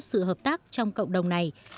sự hợp tác trong cộng đồng này